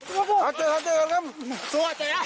หักเจ๋ยหักเจ๋ยหักเจ๋ยหักเจ๋ยหักเจ๋ย